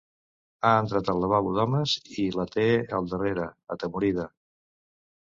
Ha entrat al lavabo d'homes i la té al darrere, atemorida.